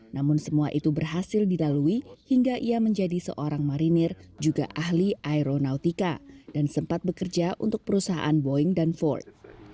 namun semua itu berhasil dilalui hingga ia menjadi seorang marinir juga ahli aeronautika dan sempat bekerja untuk perusahaan boeing dan ford